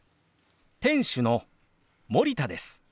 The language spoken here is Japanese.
店主の森田です。